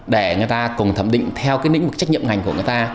để người ta cùng thẩm định theo nĩnh vực trách nhiệm ngành của người ta